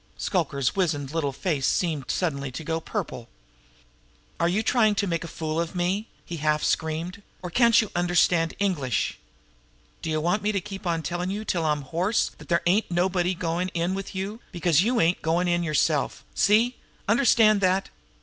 Shluker's wizened little face seemed suddenly to go purple. "Are you tryin' to make a fool of me?" he half screamed. "Or can't you understand English? D'ye want me to keep on tellin' you till I'm hoarse that there ain't nobody goin' in with you, because you am't goin' in yourself! See? Understand that?